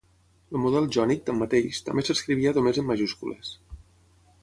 El model jònic, tanmateix, també s'escrivia només en majúscules.